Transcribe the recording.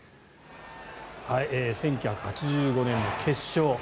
１９８５年の決勝。